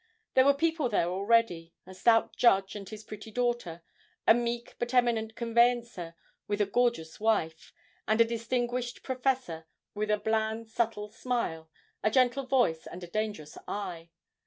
There were people there already; a stout judge and his pretty daughter, a meek but eminent conveyancer with a gorgeous wife, and a distinguished professor with a bland subtle smile, a gentle voice and a dangerous eye.